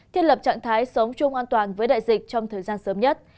thiết lập trạng thái sống chung an toàn với đại dịch trong thời gian sớm nhất